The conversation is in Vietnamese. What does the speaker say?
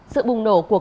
sự bùng nổ của công ty